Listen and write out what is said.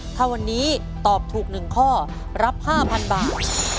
ถ้าวันนี้ตอบถูกหนึ่งข้อรับห้าพันบาท